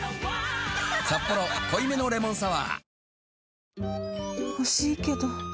「サッポロ濃いめのレモンサワー」